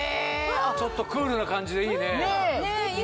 ちょっとクールな感じでいいね。